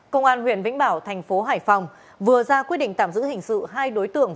công an huyện vĩnh bảo thành phố hải phòng vừa ra quyết định tạm giữ hình sự hai đối tượng